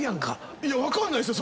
いや分かんないですよ